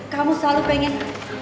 kamu selalu pengen